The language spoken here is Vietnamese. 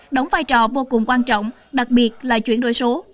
đóng vai trò vô cùng quan trọng đặc biệt là chuyển đổi số